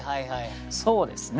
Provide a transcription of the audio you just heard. そうですね